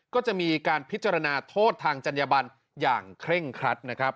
ก็จะมีการพิจารณาโทษทางจัญญบันอย่างเคร่งครัดนะครับ